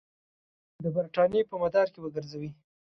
د برټانیې په مدار کې وګرځوي.